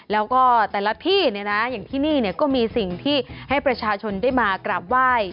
แล้วก็แต่ละที่เนี่ยนะอย่างที่นี่ก็มีสิ่งที่ให้ประชาชนได้มากราบไหว้